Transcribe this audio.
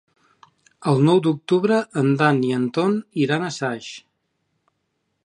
El nou d'octubre en Dan i en Ton iran a Saix.